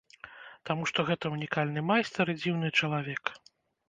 Таму што гэта ўнікальны майстар і дзіўны чалавек.